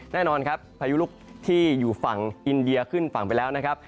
แน่นอนครับพายุลูกที่อยู่ฝั่งอินเดียขึ้นฝั่งไปแล้วนะครับ